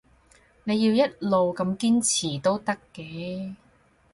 你要一路咁堅持都得嘅